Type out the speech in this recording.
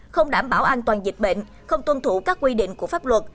không đảm bảo an toàn dịch bệnh không tuân thủ các quy định của pháp luật